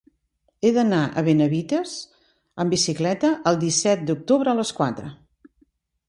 He d'anar a Benavites amb bicicleta el disset d'octubre a les quatre.